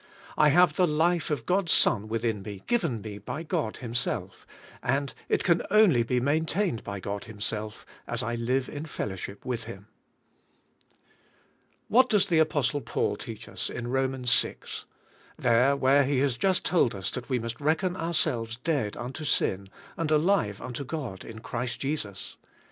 I have the life of God's Son within me given me by God Him self, and it can only be maintained by God Him self as I live in fellowship with Him. CHRIST OUR LIFE 75 What does the Apostle Paul teach us in Romans V^I. ; there where he has just told us that we must reckon ourselves dead unto sin, and alive unto God in Christ Jesus?